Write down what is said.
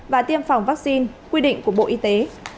và tiêm phòng vaccine quy định của bộ y tế